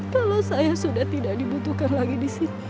kalau saya sudah tidak dibutuhkan lagi di sini